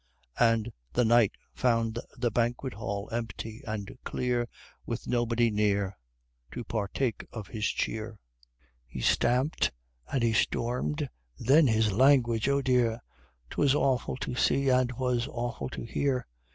And the Knight found the banquet hall empty and clear, With nobody near To partake of his cheer, He stamped, and he stormed then his language! Oh dear! 'Twas awful to see, and 'twas awful to hear!